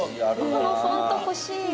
このフォント欲しい。